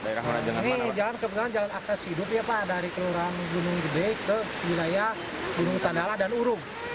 ini jalan kebetulan jalan akses hidup ya pak dari kelurahan gunung gede ke wilayah gunung tandala dan urung